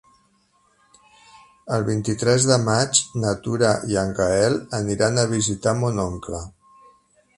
El vint-i-tres de maig na Tura i en Gaël aniran a visitar mon oncle.